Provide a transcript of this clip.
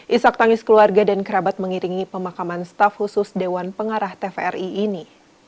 isak tangis keluarga dan kerabat mengiringi pemakaman staf khusus dewan pengarah tvri ini